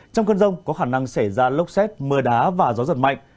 trong cơn rông có khả năng xảy ra lốc xét mưa đá và gió giật mạnh